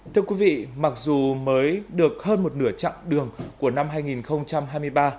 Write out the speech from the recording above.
thưa quý vị mặc dù mới được hơn một nửa chặng đường của năm hai nghìn hai mươi ba